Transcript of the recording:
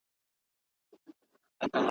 يوه ورځ سره غونډيږي ,